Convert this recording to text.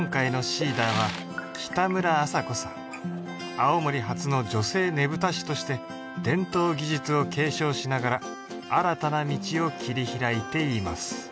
青森初の女性ねぶた師として伝統技術を継承しながら新たな道を切り開いています